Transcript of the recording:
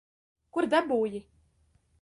Kur dabūji?